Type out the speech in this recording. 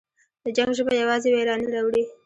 د جنګ ژبه یوازې ویرانی راوړي.